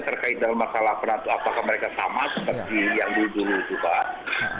terkait dengan masalah peraturan apakah mereka sama seperti yang dulu dulu itu pak